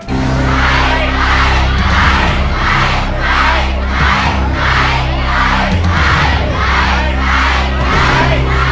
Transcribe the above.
ใช้